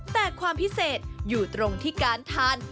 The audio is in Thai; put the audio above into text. แต่ความพิเศษอยู่ตรงที่การทาน